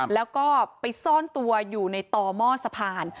แล้วก็ไปซ่อนตัวอยู่ในต่อหม้อสะพาน